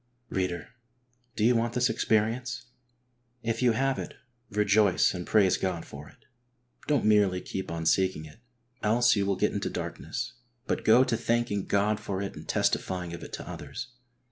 Reader, do you want this experience? If you have it, rejoice and praise God for it. Don't merely keep on seeking it, else you will get into darkness, but go to thanking God for it and testifying of it to others.